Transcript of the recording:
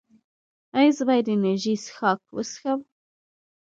ایا زه باید انرژي څښاک وڅښم؟